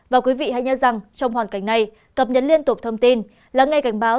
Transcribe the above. và quý vị hãy nhớ rằng trong hoàn cảnh này cập nhật liên tục thông tin lắng nghe cảnh báo